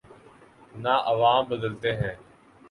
نہ عوام بدلتے ہیں۔